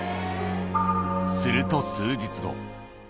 すると数日後。